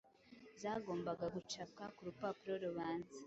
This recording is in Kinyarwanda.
zagombaga gucapwa ku urupapuro rubanza